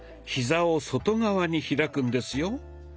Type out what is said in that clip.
ヒザを外側に開くんですよ。